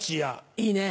いいね。